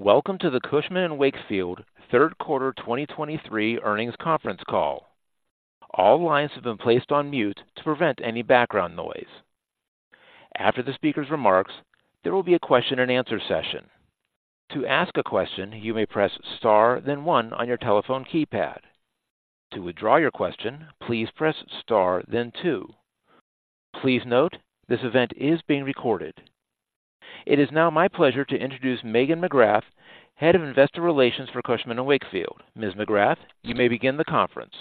Welcome to the Cushman & Wakefield third quarter 2023 earnings conference call. All lines have been placed on mute to prevent any background noise. After the speaker's remarks, there will be a question and answer session. To ask a question, you may press Star, then one on your telephone keypad. To withdraw your question, please press Star, then two. Please note, this event is being recorded. It is now my pleasure to introduce Megan McGrath, Head of Investor Relations for Cushman & Wakefield. Ms. McGrath, you may begin the conference.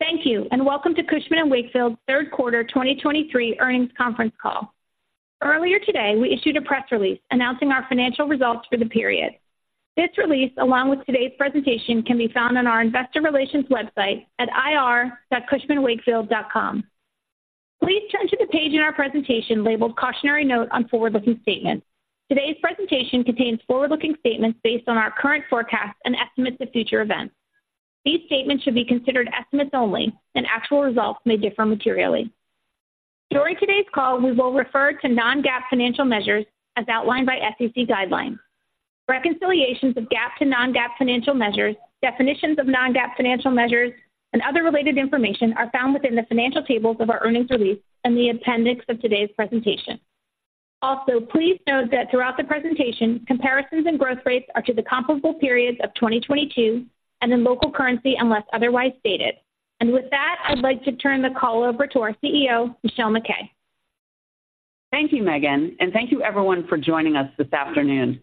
Thank you, and welcome to Cushman & Wakefield's third quarter 2023 earnings conference call. Earlier today, we issued a press release announcing our financial results for the period. This release, along with today's presentation, can be found on our investor relations website at ir.cushmanwakefield.com. Please turn to the page in our presentation labeled Cautionary Note on Forward-Looking Statements. Today's presentation contains forward-looking statements based on our current forecasts and estimates of future events. These statements should be considered estimates only, and actual results may differ materially. During today's call, we will refer to non-GAAP financial measures as outlined by SEC guidelines. Reconciliations of GAAP to non-GAAP financial measures, definitions of non-GAAP financial measures, and other related information are found within the financial tables of our earnings release and the appendix of today's presentation. Also, please note that throughout the presentation, comparisons and growth rates are to the comparable periods of 2022 and in local currency, unless otherwise stated. With that, I'd like to turn the call over to our CEO, Michelle MacKay. Thank you, Megan, and thank you everyone for joining us this afternoon.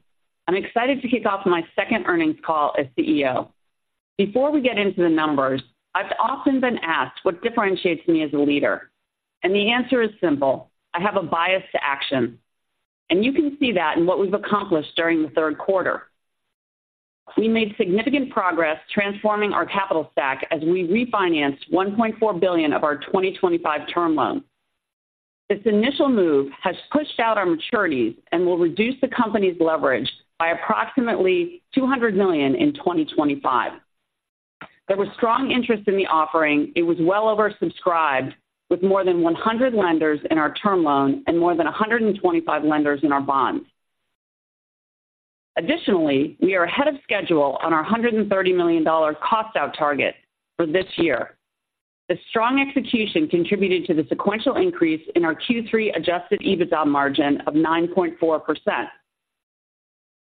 I'm excited to kick off my second earnings call as CEO. Before we get into the numbers, I've often been asked what differentiates me as a leader, and the answer is simple: I have a bias to action, and you can see that in what we've accomplished during the third quarter. We made significant progress transforming our capital stack as we refinanced $1.4 billion of our 2025 term loan. This initial move has pushed out our maturities and will reduce the company's leverage by approximately $200 million in 2025. There was strong interest in the offering. It was well oversubscribed, with more than 100 lenders in our term loan and more than 125 lenders in our bonds. Additionally, we are ahead of schedule on our $130 million cost out target for this year. The strong execution contributed to the sequential increase in our Q3 adjusted EBITDA margin of 9.4%.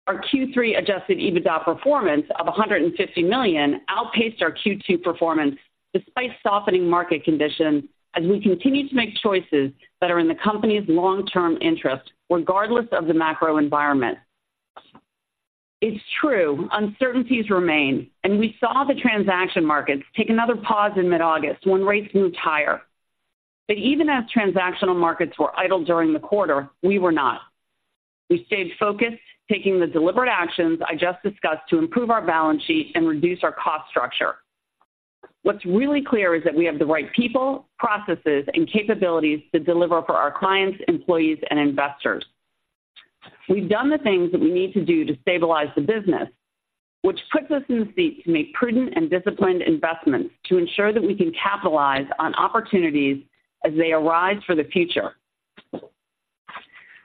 Our Q3 adjusted EBITDA performance of $150 million outpaced our Q2 performance despite softening market conditions, as we continue to make choices that are in the company's long-term interest, regardless of the macro environment. It's true, uncertainties remain, and we saw the transaction markets take another pause in mid-August when rates moved higher. But even as transactional markets were idle during the quarter, we were not. We stayed focused, taking the deliberate actions I just discussed to improve our balance sheet and reduce our cost structure. What's really clear is that we have the right people, processes, and capabilities to deliver for our clients, employees, and investors. We've done the things that we need to do to stabilize the business, which puts us in the seat to make prudent and disciplined investments to ensure that we can capitalize on opportunities as they arise for the future.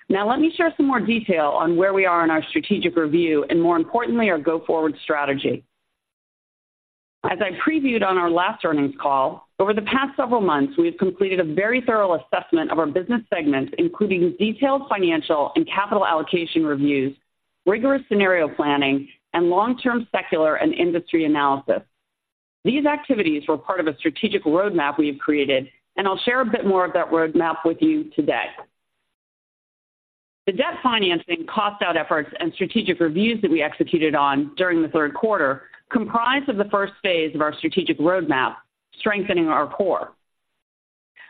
Now, let me share some more detail on where we are in our strategic review and, more importantly, our go-forward strategy. As I previewed on our last earnings call, over the past several months, we have completed a very thorough assessment of our business segments, including detailed financial and capital allocation reviews, rigorous scenario planning, and long-term secular and industry analysis. These activities were part of a strategic roadmap we have created, and I'll share a bit more of that roadmap with you today. The debt financing, cost-out efforts, and strategic reviews that we executed on during the third quarter comprise of the first phase of our strategic roadmap, strengthening our core.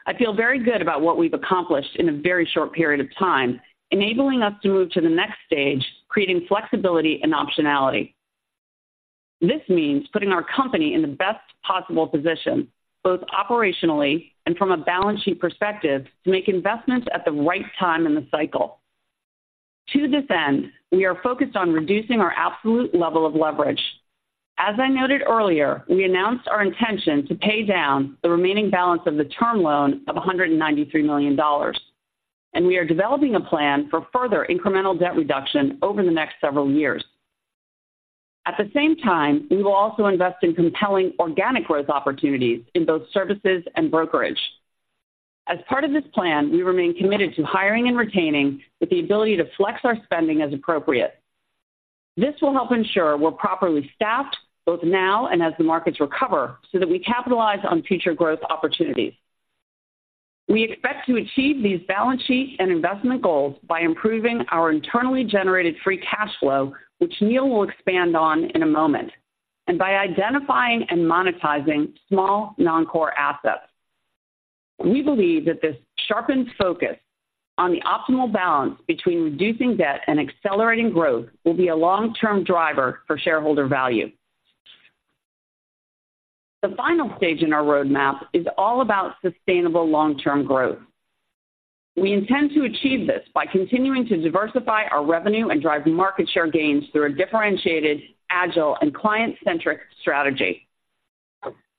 I feel very good about what we've accomplished in a very short period of time, enabling us to move to the next stage, creating flexibility and optionality. This means putting our company in the best possible position, both operationally and from a balance sheet perspective, to make investments at the right time in the cycle. To this end, we are focused on reducing our absolute level of leverage. As I noted earlier, we announced our intention to pay down the remaining balance of the term loan of $193 million, and we are developing a plan for further incremental debt reduction over the next several years. At the same time, we will also invest in compelling organic growth opportunities in both services and brokerage. As part of this plan, we remain committed to hiring and retaining, with the ability to flex our spending as appropriate. This will help ensure we're properly staffed, both now and as the markets recover, so that we capitalize on future growth opportunities. We expect to achieve these balance sheet and investment goals by improving our internally generated free cash flow, which Neil will expand on in a moment, and by identifying and monetizing small non-core assets. We believe that this sharpened focus on the optimal balance between reducing debt and accelerating growth will be a long-term driver for shareholder value. The final stage in our roadmap is all about sustainable long-term growth. We intend to achieve this by continuing to diversify our revenue and drive market share gains through a differentiated, agile, and client-centric strategy....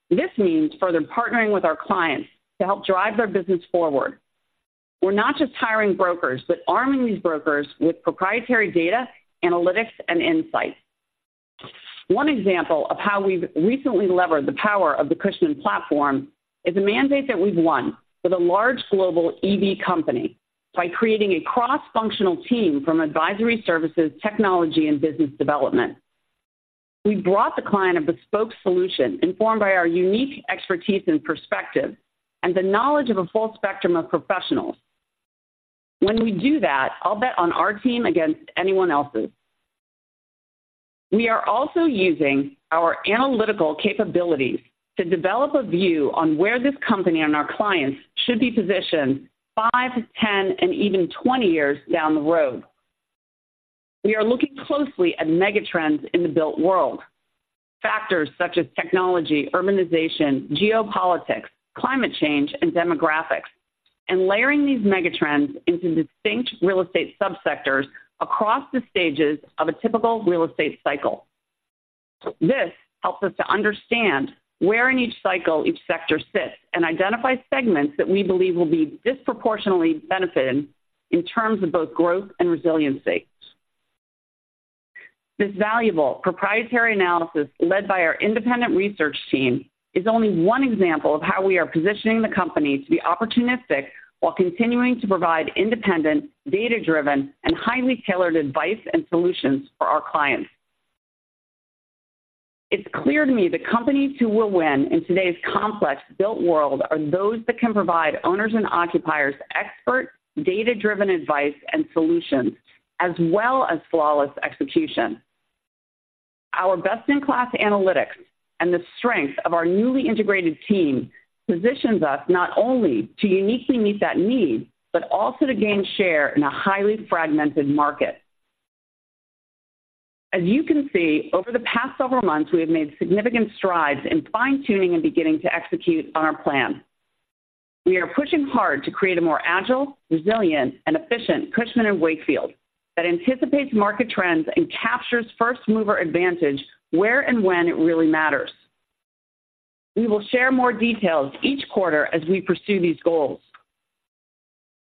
This means further partnering with our clients to help drive their business forward. We're not just hiring brokers, but arming these brokers with proprietary data, analytics, and insights. One example of how we've recently levered the power of the Cushman platform is a mandate that we've won with a large global EV company by creating a cross-functional team from advisory services, technology, and business development. We brought the client a bespoke solution informed by our unique expertise and perspective, and the knowledge of a full spectrum of professionals. When we do that, I'll bet on our team against anyone else's. We are also using our analytical capabilities to develop a view on where this company and our clients should be positioned 5, 10, and even 20 years down the road. We are looking closely at megatrends in the built world, factors such as technology, urbanization, geopolitics, climate change, and demographics, and layering these megatrends into distinct real estate subsectors across the stages of a typical real estate cycle. This helps us to understand where in each cycle each sector sits, and identify segments that we believe will be disproportionately benefiting in terms of both growth and resiliency. This valuable proprietary analysis, led by our independent research team, is only one example of how we are positioning the company to be opportunistic while continuing to provide independent, data-driven, and highly tailored advice and solutions for our clients. It's clear to me that companies who will win in today's complex built world are those that can provide owners and occupiers expert, data-driven advice and solutions, as well as flawless execution. Our best-in-class analytics and the strength of our newly integrated team positions us not only to uniquely meet that need, but also to gain share in a highly fragmented market. As you can see, over the past several months, we have made significant strides in fine-tuning and beginning to execute on our plan. We are pushing hard to create a more agile, resilient, and efficient Cushman & Wakefield, that anticipates market trends and captures first-mover advantage where and when it really matters. We will share more details each quarter as we pursue these goals.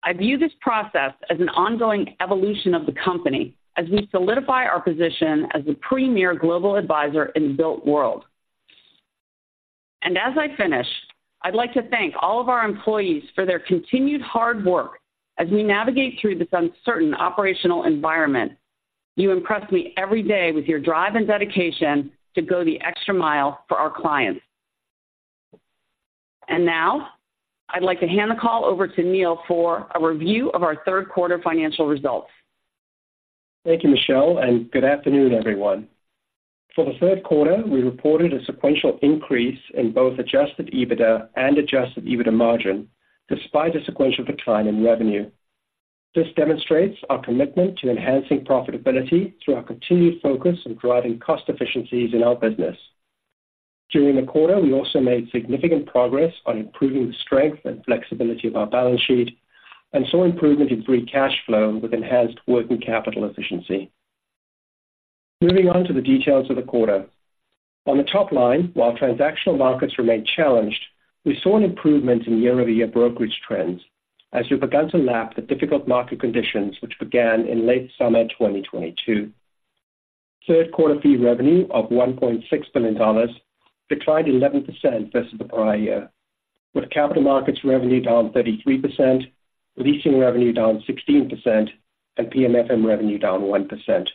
I view this process as an ongoing evolution of the company as we solidify our position as the premier global advisor in the built world. As I finish, I'd like to thank all of our employees for their continued hard work as we navigate through this uncertain operational environment. You impress me every day with your drive and dedication to go the extra mile for our clients. Now, I'd like to hand the call over to Neil for a review of our third quarter financial results. Thank you, Michelle, and good afternoon, everyone. For the third quarter, we reported a sequential increase in both Adjusted EBITDA and Adjusted EBITDA Margin, despite a sequential decline in revenue. This demonstrates our commitment to enhancing profitability through our continued focus on driving cost efficiencies in our business. During the quarter, we also made significant progress on improving the strength and flexibility of our balance sheet, and saw improvement in Free Cash Flow with enhanced working capital efficiency. Moving on to the details of the quarter. On the top line, while transactional markets remained challenged, we saw an improvement in year-over-year brokerage trends as we began to lap the difficult market conditions, which began in late summer 2022. Third quarter fee revenue of $1.6 billion declined 11% versus the prior year, with capital markets revenue down 33%, leasing revenue down 16%, and PMFM revenue down 1%.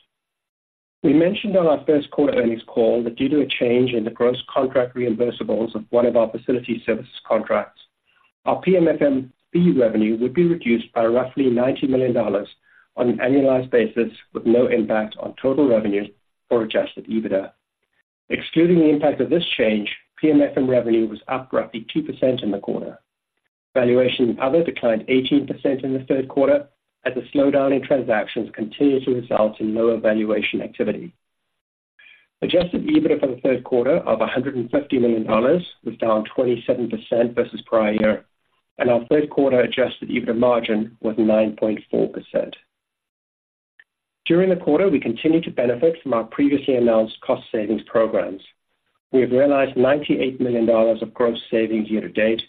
We mentioned on our first quarter earnings call that due to a change in the gross contract reimbursables of one of our facility services contracts, our PMFM fee revenue would be reduced by roughly $90 million on an annualized basis, with no impact on total revenue or Adjusted EBITDA. Excluding the impact of this change, PMFM revenue was up roughly 2% in the quarter. Valuation and Other declined 18% in the third quarter, as the slowdown in transactions continued to result in lower valuation activity. Adjusted EBITDA for the third quarter of $150 million was down 27% versus prior year, and our third quarter Adjusted EBITDA margin was 9.4%. During the quarter, we continued to benefit from our previously announced cost savings programs. We have realized $98 million of gross savings year to date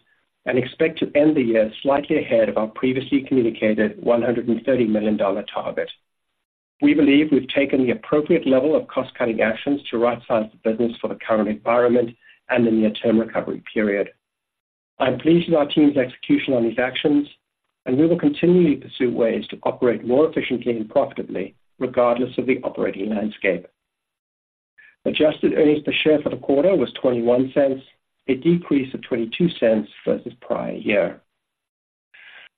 and expect to end the year slightly ahead of our previously communicated $130 million target. We believe we've taken the appropriate level of cost-cutting actions to rightsize the business for the current environment and the near-term recovery period. I'm pleased with our team's execution on these actions, and we will continually pursue ways to operate more efficiently and profitably, regardless of the operating landscape. Adjusted earnings per share for the quarter was $0.21, a decrease of $0.22 versus prior year.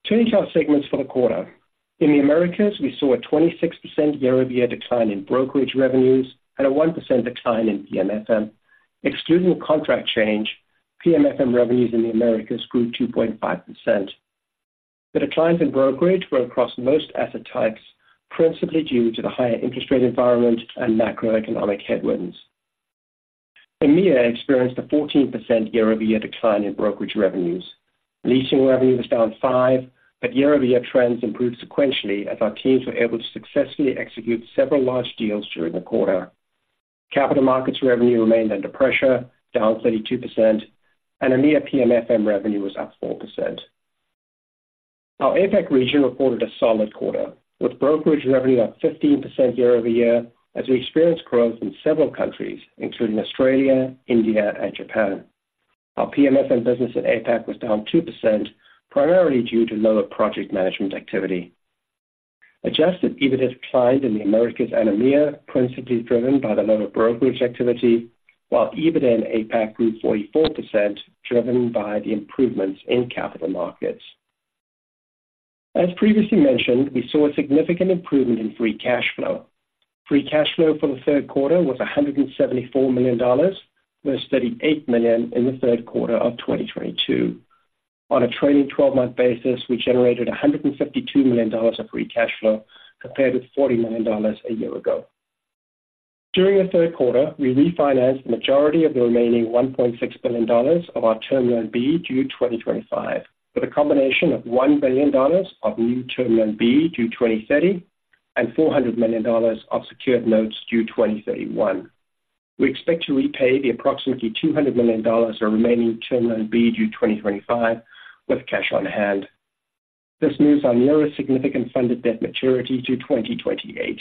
Turning to our segments for the quarter. In the Americas, we saw a 26% year-over-year decline in Brokerage revenues and a 1% decline in PMFM. Excluding the contract change, PMFM revenues in the Americas grew 2.5%. The declines in Brokerage were across most asset types, principally due to the higher interest rate environment and macroeconomic headwinds. EMEA experienced a 14% year-over-year decline in Brokerage revenues. Leasing revenue was down 5, but year-over-year trends improved sequentially as our teams were able to successfully execute several large deals during the quarter. Capital Markets revenue remained under pressure, down 32%, and EMEA PMFM revenue was up 4%. Our APAC region reported a solid quarter, with Brokerage revenue up 15% year-over-year as we experienced growth in several countries, including Australia, India, and Japan. Our PMFM business in APAC was down 2%, primarily due to lower project management activity. Adjusted EBIT declined in the Americas and EMEA, principally driven by the lower brokerage activity, while EBIT in APAC grew 44%, driven by the improvements in capital markets. As previously mentioned, we saw a significant improvement in free cash flow. Free cash flow for the Q3 was $174 million, versus $38 million in the third quarter of 2022. On a trailing twelve-month basis, we generated $152 million of free cash flow compared with $40 million a year ago. During the third quarter, we refinanced the majority of the remaining $1.6 billion of our Term Loan B, due 2025, with a combination of $1 billion of new Term Loan B, due 2030, and $400 million of secured notes due 2031. We expect to repay the approximately $200 million of remaining Term Loan B, due 2025, with cash on hand. This moves our nearest significant funded debt maturity to 2028.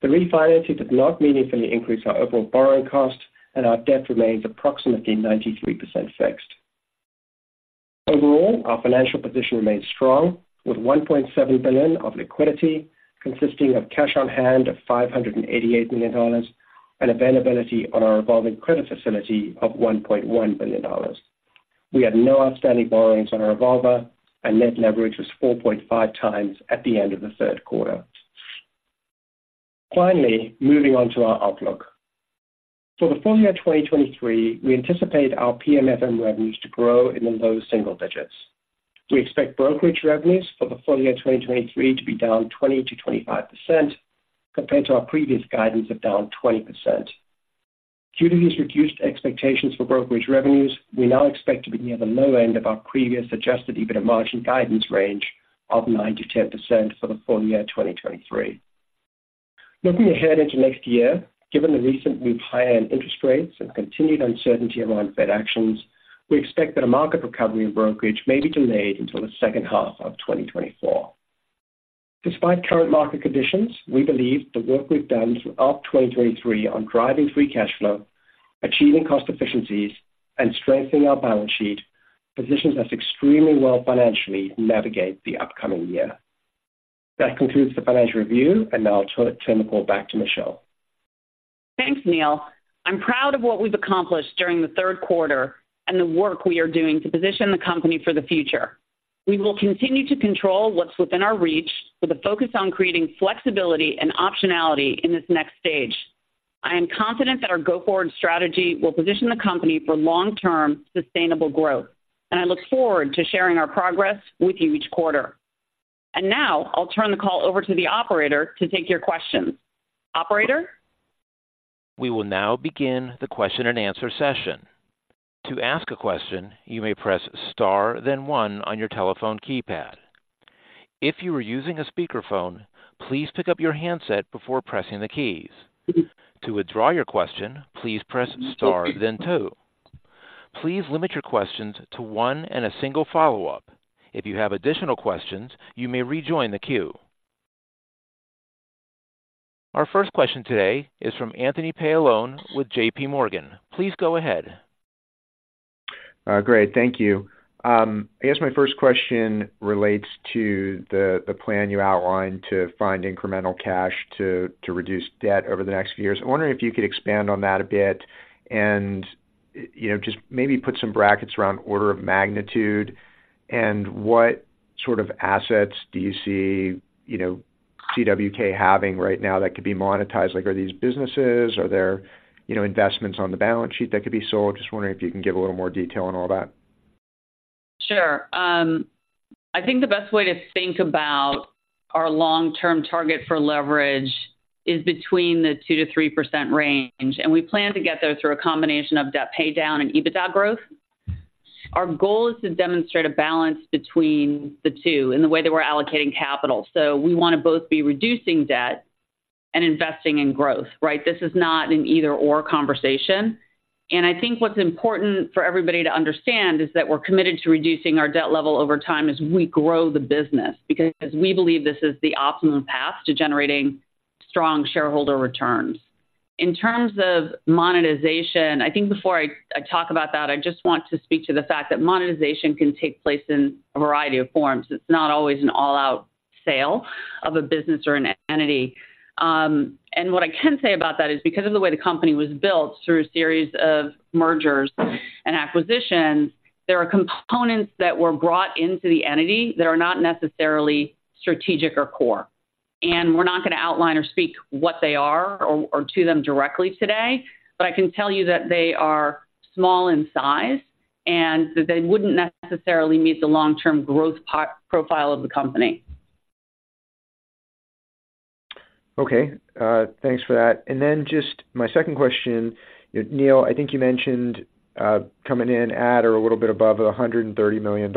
The refinancing did not meaningfully increase our overall borrowing cost, and our debt remains approximately 93% fixed. Overall, our financial position remains strong, with $1.7 billion of liquidity, consisting of cash on hand of $588 million and availability on our revolving credit facility of $1.1 billion. We had no outstanding borrowings on our revolver, and net leverage was 4.5 times at the end of the third quarter. Finally, moving on to our outlook. For the full year 2023, we anticipate our PMFM revenues to grow in the low single digits. We expect brokerage revenues for the full year 2023 to be down 20%-25% compared to our previous guidance of down 20%. Due to these reduced expectations for brokerage revenues, we now expect to be near the low end of our previous adjusted EBIT margin guidance range of 9%-10% for the full year 2023. Looking ahead into next year, given the recent move higher in interest rates and continued uncertainty around Fed actions, we expect that a market recovery in brokerage may be delayed until the second half of 2024. Despite current market conditions, we believe the work we've done throughout 2023 on driving free cash flow, achieving cost efficiencies, and strengthening our balance sheet positions us extremely well financially to navigate the upcoming year. That concludes the financial review, and now I'll turn the call back to Michelle. Thanks, Neil. I'm proud of what we've accomplished during the third quarter and the work we are doing to position the company for the future. We will continue to control what's within our reach with a focus on creating flexibility and optionality in this next stage. I am confident that our go-forward strategy will position the company for long-term sustainable growth, and I look forward to sharing our progress with you each quarter. Now I'll turn the call over to the operator to take your questions. Operator? We will now begin the question-and-answer session. To ask a question, you may press star, then one on your telephone keypad. If you are using a speakerphone, please pick up your handset before pressing the keys. To withdraw your question, please press star, then two. Please limit your questions to one and a single follow-up. If you have additional questions, you may rejoin the queue. Our first question today is from Anthony Paolone with J.P. Morgan. Please go ahead. Great, thank you. I guess my first question relates to the plan you outlined to find incremental cash to reduce debt over the next few years. I'm wondering if you could expand on that a bit and, you know, just maybe put some brackets around order of magnitude, and what sort of assets do you see, you know, CWK having right now that could be monetized? Like, are there, you know, investments on the balance sheet that could be sold? Just wondering if you can give a little more detail on all that. Sure. I think the best way to think about our long-term target for leverage is between the 2%-3% range, and we plan to get there through a combination of debt paydown and EBITDA growth. Our goal is to demonstrate a balance between the two in the way that we're allocating capital. So we want to both be reducing debt and investing in growth, right? This is not an either/or conversation. I think what's important for everybody to understand is that we're committed to reducing our debt level over time as we grow the business, because we believe this is the optimum path to generating strong shareholder returns. In terms of monetization, I think before I talk about that, I just want to speak to the fact that monetization can take place in a variety of forms. It's not always an all-out sale of a business or an entity. And what I can say about that is because of the way the company was built through a series of mergers and acquisitions, there are components that were brought into the entity that are not necessarily strategic or core. And we're not going to outline or speak what they are or to them directly today, but I can tell you that they are small in size and that they wouldn't necessarily meet the long-term growth profile of the company. Okay, thanks for that. And then just my second question, Neil, I think you mentioned coming in at, or a little bit above $130 million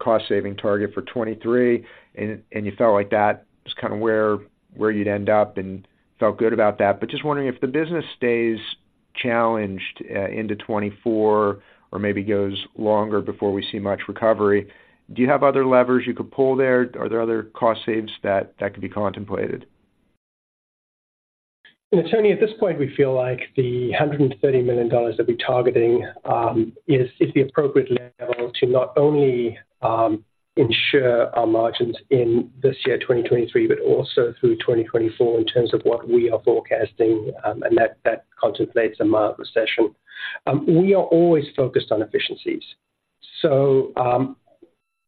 cost saving target for 2023, and you felt like that is where you'd end up and felt good about that. But just wondering, if the business stays challenged into 2024, or maybe goes longer before we see much recovery, do you have other levers you could pull there? Are there other cost saves that could be contemplated? Tony, at this point, we feel like the $130 million that we're targeting is the appropriate level to not only ensure our margins in this year, 2023, but also through 2024, in terms of what we are forecasting, and that contemplates a mild recession. We are always focused on efficiencies. So, you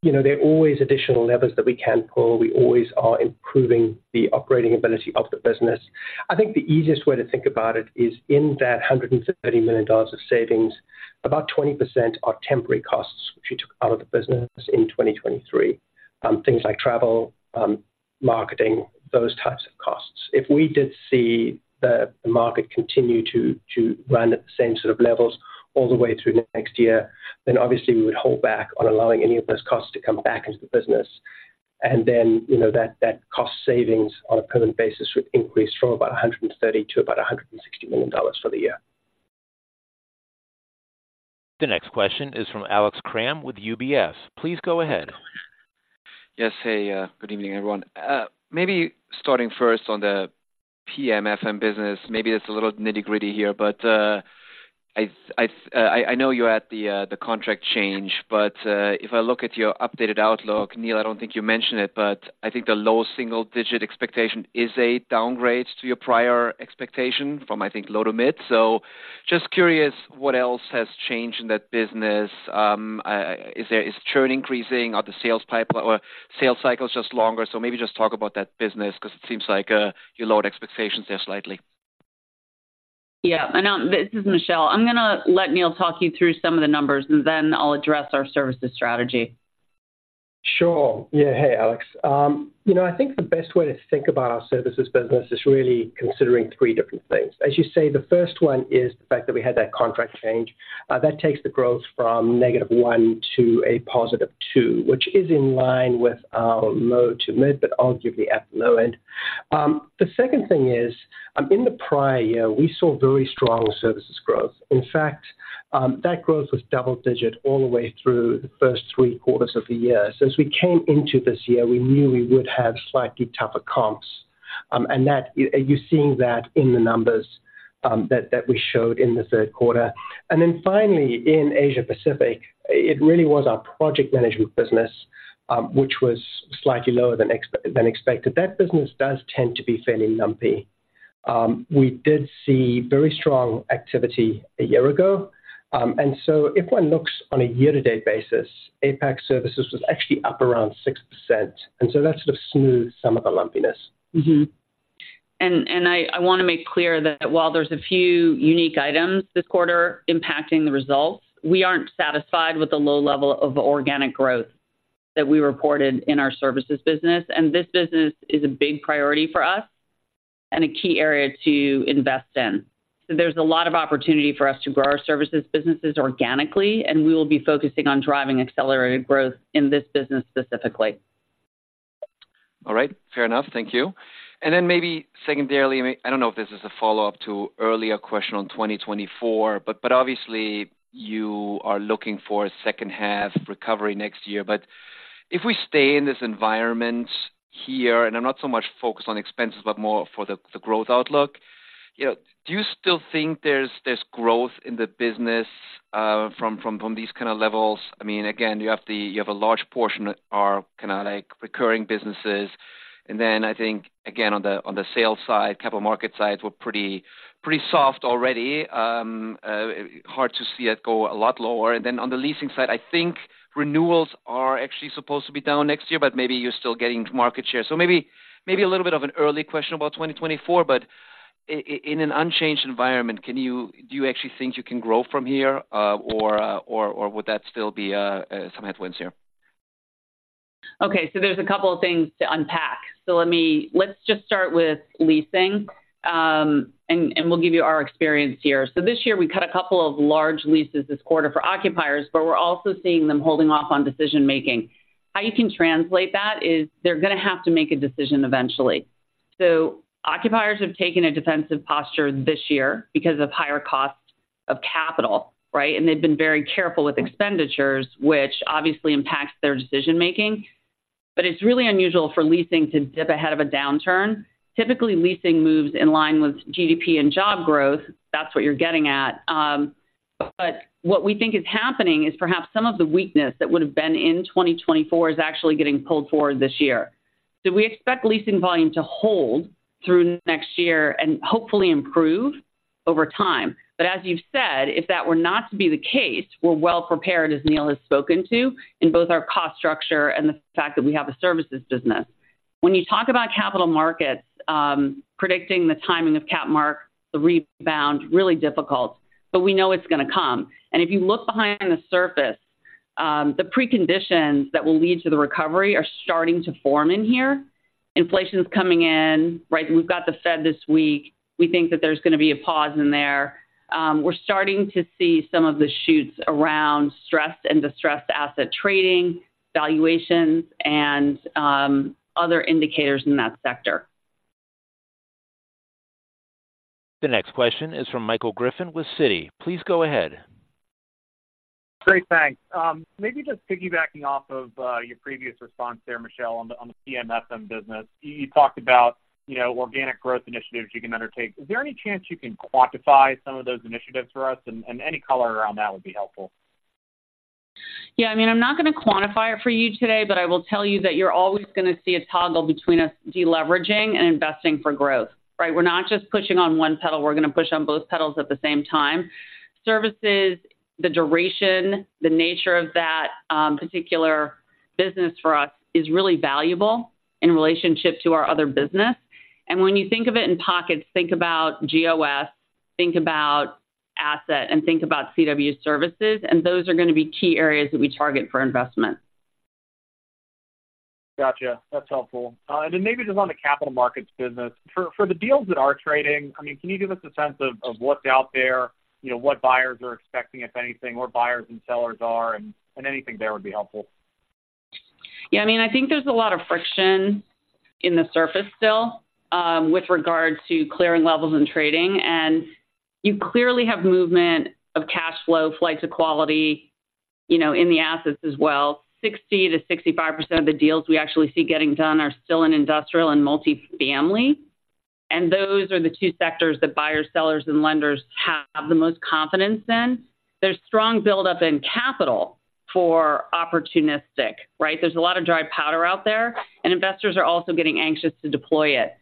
know, there are always additional levers that we can pull. We always are improving the operating ability of the business. I think the easiest way to think about it is in that $130 million of savings, about 20% are temporary costs, which we took out of the business in 2023. Things like travel, marketing, those types of costs. If we did see the market continue to run at the same sort of levels all the way through next year, then obviously we would hold back on allowing any of those costs to come back into the business. And then, you know, that cost savings on a permanent basis would increase from about $130 million to about $160 million for the year. The next question is from Alex Kramm with UBS. Please go ahead. Yes. Hey, good evening, everyone. Maybe starting first on the PMFM business, maybe it's a little nitty-gritty here, but, I know you had the contract change, but, if I look at your updated outlook, Neil, I don't think you mentioned it, but I think the low single digit expectation is a downgrade to your prior expectation from, I think, low to mid. So just curious, what else has changed in that business? Is churn increasing? Are the sales pipeline or sales cycles just longer? So maybe just talk about that business, 'cause it seems like, you lowered expectations there slightly. Yeah, and this is Michelle. I'm going to let Neil talk you through some of the numbers, and then I'll address our services strategy. Sure. Yeah. Hey, Alex. You know, I think the best way to think about our services business is really considering three different things. As you say, the first one is the fact that we had that contract change. That takes the growth from -1% to +2%, which is in line with our low to mid, but arguably at the low end. The second thing is, in the prior year, we saw very strong services growth. In fact, that growth was double-digit all the way through the first three quarters of the year. So as we came into this year, we knew we would have slightly tougher comps, and that you're seeing that in the numbers, that we showed in the third quarter. And then finally, in Asia Pacific, it really was our project management business, which was slightly lower than expected. That business does tend to be fairly lumpy. We did see very strong activity a year ago. And so if one looks on a year-to-date basis, APAC services was actually up around 6%, and so that sort of smoothed some of the lumpiness. And I want to make clear that while there's a few unique items this quarter impacting the results, we aren't satisfied with the low level of organic growth that we reported in our services business. And this business is a big priority for us and a key area to invest in. So there's a lot of opportunity for us to grow our services businesses organically, and we will be focusing on driving accelerated growth in this business specifically. All right. Fair enough. Thank you. And then maybe secondarily, I don't know if this is a follow-up to earlier question on 2024, but obviously you are looking for a second half recovery next year. But if we stay in this environment here, and I'm not so much focused on expenses, but more for the growth outlook, you know, do you still think there's growth in the business from these kinda levels? I mean, again, you have a large portion are kinda like recurring businesses. And then I think, again, on the sales side, capital market side, we're pretty soft already. Hard to see it go a lot lower. And then on the leasing side, I think renewals are actually supposed to be down next year, but maybe you're still getting market share. So maybe, maybe a little bit of an early question about 2024, but in an unchanged environment, do you actually think you can grow from here, or would that still be some headwinds here? Okay, so there's a couple of things to unpack. So let's just start with leasing, and we'll give you our experience here. So this year we cut a couple of large leases this quarter for occupiers, but we're also seeing them holding off on decision making. How you can translate that is they're going to have to make a decision eventually. So occupiers have taken a defensive posture this year because of higher costs of capital, right? And they've been very careful with expenditures, which obviously impacts their decision making. But it's really unusual for leasing to dip ahead of a downturn. Typically, leasing moves in line with GDP and job growth. That's what you're getting at. But what we think is happening is perhaps some of the weakness that would've been in 2024 is actually getting pulled forward this year. So we expect leasing volume to hold through next year and hopefully improve over time. But as you've said, if that were not to be the case, we're well prepared, as Neil has spoken to, in both our cost structure and the fact that we have a services business. When you talk about capital markets, predicting the timing of capital markets, the rebound, really difficult, but we know it's going to come. And if you look behind the surface, the preconditions that will lead to the recovery are starting to form in here. Inflation is coming in, right? We've got the Fed this week. We think that there's going to be a pause in there. We're starting to see some of the shoots around stress and distressed asset trading, valuations, and other indicators in that sector. The next question is from Michael Griffin with Citi. Please go ahead. Great. Thanks. Maybe just piggybacking off of your previous response there, Michelle, on the PMFM business. You talked about, you know, organic growth initiatives you can undertake. Is there any chance you can quantify some of those initiatives for us? And any color around that would be helpful. Yeah, I mean, I'm not going to quantify it for you today, but I will tell you that you're always going to see a toggle between us deleveraging and investing for growth, right? We're not just pushing on one pedal, we're going to push on both pedals at the same time. Services, the duration, the nature of that, particular business for us is really valuable in relationship to our other business. And when you think of it in pockets, think about GOS, think about asset, and think about C&W Services, and those are going to be key areas that we target for investment. Gotcha. That's helpful. And then maybe just on the Capital Markets business. For the deals that are trading, I mean, can you give us a sense of what's out there, you know, what buyers are expecting, if anything, where buyers and sellers are, and anything there would be helpful. Yeah, I mean, I think there's a lot of friction in the surface still, with regards to clearing levels and trading. And you clearly have movement of cash flow, flight to quality, you know, in the assets as well. 60%-65% of the deals we actually see getting done are still in industrial and multifamily, and those are the two sectors that buyers, sellers, and lenders have the most confidence in. There's strong buildup in capital for opportunistic, right? There's a lot of dry powder out there, and investors are also getting anxious to deploy it.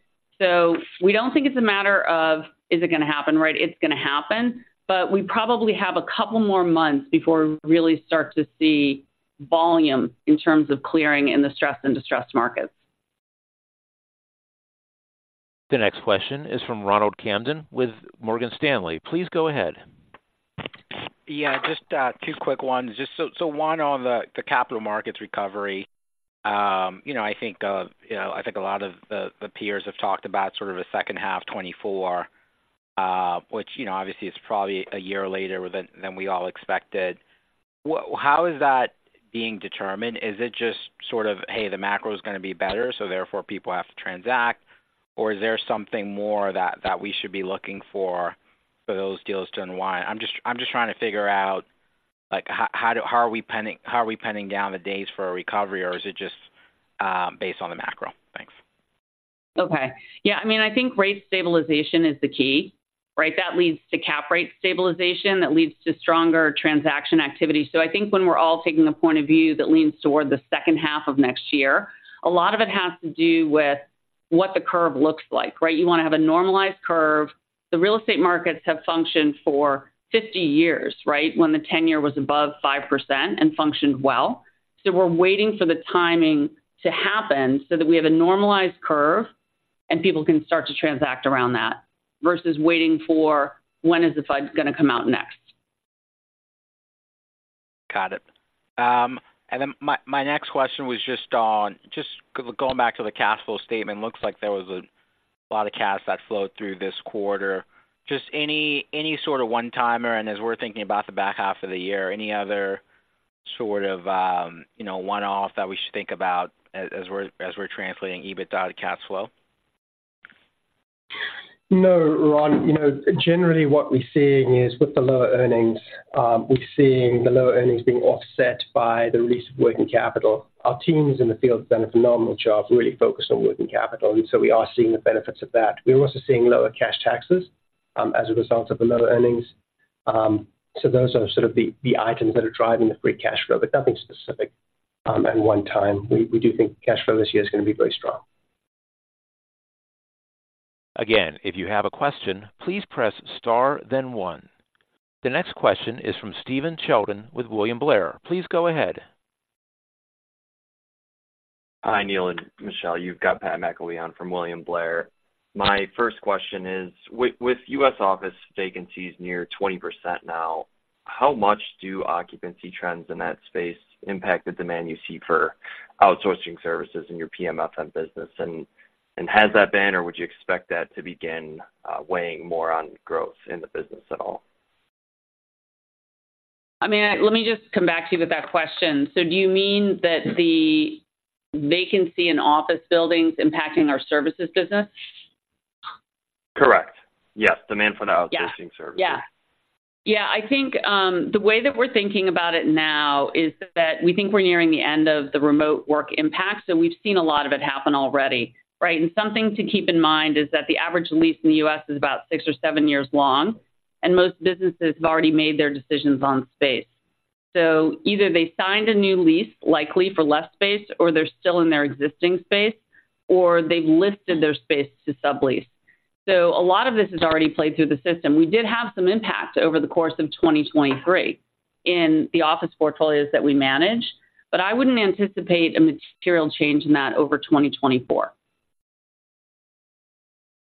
So we don't think it's a matter of, is it going to happen, right? It's going to happen. But we probably have a couple more months before we really start to see volume in terms of clearing in the stressed and distressed markets. The next question is from Ronald Kamdem with Morgan Stanley. Please go ahead. Yeah, just two quick ones. Just one on the capital markets recovery. You know, I think you know, I think a lot of the peers have talked about sort of a second half 2024, which you know, obviously is probably a year later than we all expected. How is that being determined? Is it just sort of, hey, the macro is going to be better, so therefore, people have to transact, or is there something more that we should be looking for, for those deals to unwind? I'm just trying to figure out, like, how are we pinning down the days for a recovery, or is it just based on the macro? Thanks. Okay. Yeah, I mean, I think rate stabilization is the key, right? That leads to Cap Rate stabilization, that leads to stronger transaction activity. So I think when we're all taking a point of view that leans toward the second half of next year, a lot of it has to do with what the curve looks like, right? You want to have a normalized curve. The real estate markets have functioned for 50 years, right, when the ten-year was above 5% and functioned well. So we're waiting for the timing to happen so that we have a normalized curve and people can start to transact around that, versus waiting for when is the Fed going to come out next. Got it. And then my next question was just going back to the cash flow statement. Looks like there was a lot of cash that flowed through this quarter. Just any sort of one-timer, and as we're thinking about the back half of the year, any other sort of, you know, one-off that we should think about as we're translating EBITDA to cash flow? No, Ron, you know, generally what we're seeing is with the lower earnings, we're seeing the lower earnings being offset by the release of working capital. Our teams in the field have done a phenomenal job, really focused on working capital, and so we are seeing the benefits of that. We're also seeing lower cash taxes, as a result of the lower earnings. So those are sort of the items that are driving the free cash flow, but nothing specific, at one time. We do think cash flow this year is going to be very strong. Again, if you have a question, please press star, then 1. The next question is from Stephen Sheldon with William Blair. Please go ahead. Hi, Neil and Michelle. You've got Pat McIlveen from William Blair. My first question is: with U.S. office vacancies near 20% now, how much do occupancy trends in that space impact the demand you see for outsourcing services in your PMFM business? And, has that been, or would you expect that to begin, weighing more on growth in the business at all? I mean, let me just come back to you with that question. So do you mean that the vacancy in office buildings impacting our services business? Correct. Yes, demand for the outsourcing services. Yeah. Yeah, I think, the way that we're thinking about it now is that we think we're nearing the end of the remote work impact, so we've seen a lot of it happen already, right? And something to keep in mind is that the average lease in the U.S. is about 6 or 7 years long, and most businesses have already made their decisions on space. So either they signed a new lease, likely for less space, or they're still in their existing space, or they've listed their space to sublease. So a lot of this is already played through the system. We did have some impact over the course of 2023 in the office portfolios that we manage, but I wouldn't anticipate a material change in that over 2024.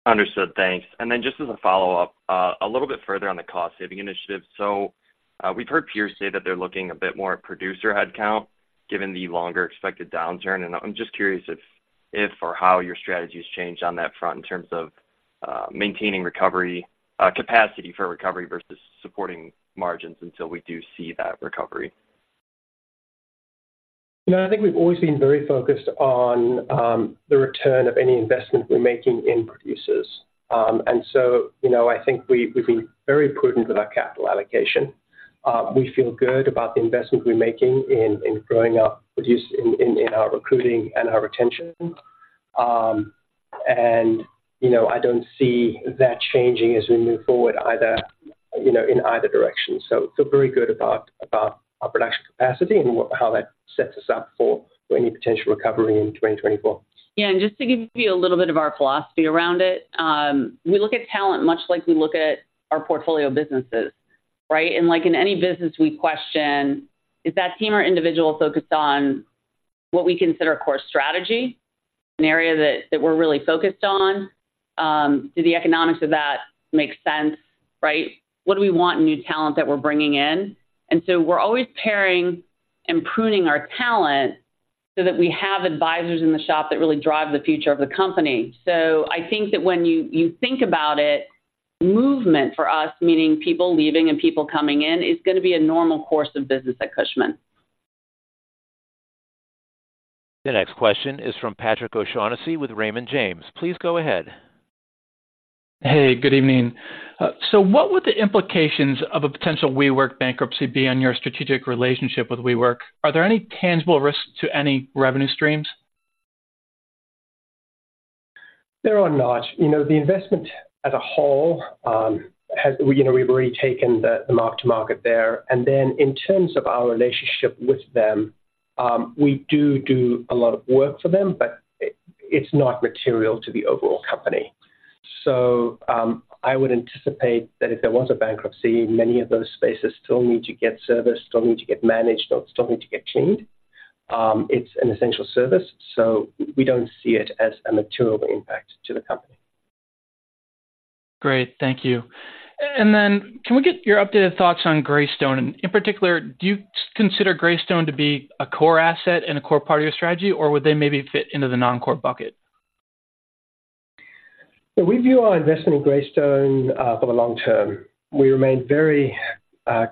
Understood. Thanks. And then just as a follow-up, a little bit further on the cost-saving initiative. So, we've heard peers say that they're looking a bit more at producer headcount, given the longer expected downturn, and I'm just curious if, if or how your strategy has changed on that front in terms of, maintaining recovery, capacity for recovery versus supporting margins until we do see that recovery? No, I think we've always been very focused on the return of any investment we're making in producers. And so, you know, I think we, we've been very prudent with our capital allocation. We feel good about the investment we're making in growing our recruiting and our retention. And, you know, I don't see that changing as we move forward either, you know, in either direction. So, feel very good about our production capacity and how that sets us up for any potential recovery in 2024. Yeah, and just to give you a little bit of our philosophy around it, we look at talent much like we look at our portfolio of businesses, right? And like in any business, we question, is that team or individual focused on what we consider a core strategy, an area that, that we're really focused on? Do the economics of that make sense, right? What do we want in new talent that we're bringing in? And so we're always pairing and pruning our talent so that we have advisors in the shop that really drive the future of the company. So I think that when you, you think about it, movement for us, meaning people leaving and people coming in, is going to be a normal course of business at Cushman. The next question is from Patrick O'Shaughnessy with Raymond James. Please go ahead. Hey, good evening. So what would the implications of a potential WeWork bankruptcy be on your strategic relationship with WeWork? Are there any tangible risks to any revenue streams? There are not. You know, the investment as a whole has, you know, we've already taken the mark to market there. And then in terms of our relationship with them, we do a lot of work for them, but it's not material to the overall company. So, I would anticipate that if there was a bankruptcy, many of those spaces still need to get serviced, still need to get managed, or still need to get cleaned. It's an essential service, so we don't see it as a material impact to the company. Great. Thank you. Then can we get your updated thoughts on Greystone? In particular, do you consider Greystone to be a core asset and a core part of your strategy, or would they maybe fit into the non-core bucket? So we view our investment in Greystone, for the long term. We remain very,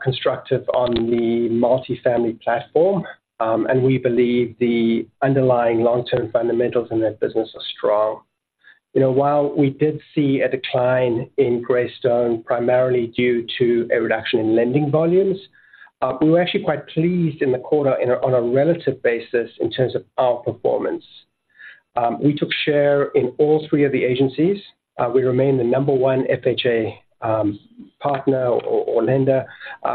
constructive on the multifamily platform, and we believe the underlying long-term fundamentals in that business are strong. You know, while we did see a decline in Greystone, primarily due to a reduction in lending volumes, we were actually quite pleased in the quarter on a relative basis in terms of our performance. We took share in all three of the agencies. We remain the number one FHA, partner or lender.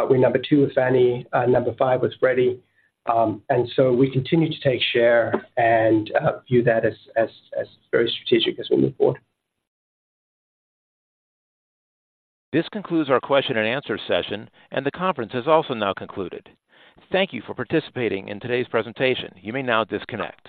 We're number two with Fannie, number five with Freddie. And so we continue to take share and, view that as very strategic as we move forward. This concludes our question and answer session, and the conference is also now concluded. Thank you for participating in today's presentation. You may now disconnect.